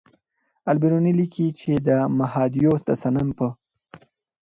البېروني لیکي چې د مهادیو د صنم په